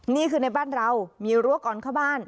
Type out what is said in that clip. นี่คือในบ้านเรามีรั้วก่อนเข้าบ้าน